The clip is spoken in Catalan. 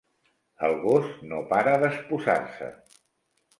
El gos no para d'espuçar-se.